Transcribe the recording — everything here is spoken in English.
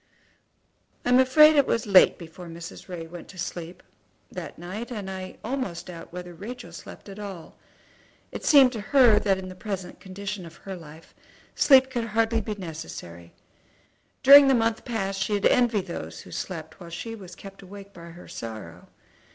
I am afraid it was late before Mrs. Ray went to sleep that night, and I almost doubt whether Rachel slept at all. It seemed to her that in the present condition of her life sleep could hardly be necessary. During the last month past she had envied those who slept while she was kept awake by her sorrow.